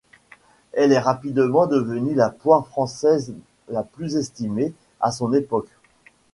Elle est rapidement devenue la poire française la plus estimée, à son époque.